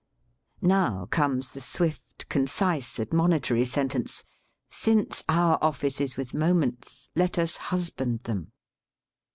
Now comes the swift, concise, admonitory sentence: "Since our office is with moments, let us husband them."